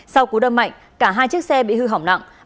sau cú đâm mạnh cả hai chiếc xe bị hư hỏng nặng